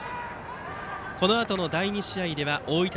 このあとの第２試合では大分